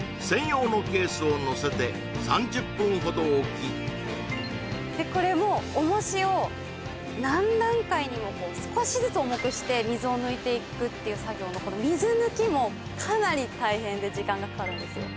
まずはほど置きこれも重しを何段階にも少しずつ重くして水を抜いていくっていう作業のこの水抜きもかなり大変で時間がかかるんですよ